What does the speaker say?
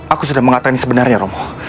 aku sudah mengatakan sebenarnya romo